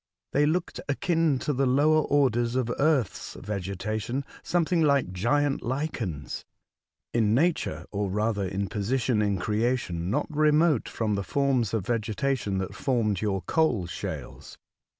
They looked akin to the lower orders of Earth's vegetation — something like gigantic lichens — in nature, or rather in position in creation, not remote from the forms of vegetation that formed your coal shales.